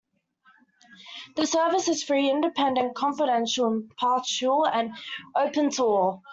The service is free, independent, confidential, impartial and open to all.